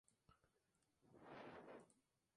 En el otro extremo se une la leucina.